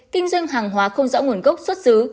kinh doanh hàng hóa không rõ nguồn gốc xuất xứ